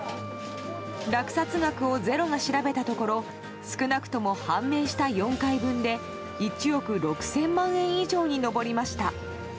落札額を「ｚｅｒｏ」が調べたところ少なくとも判明した４回分で１億６０００万円以上に上りました。